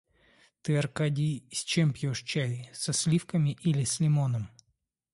Ты, Аркадий, с чем пьешь чай, со сливками или с лимоном?